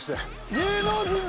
芸能人だ！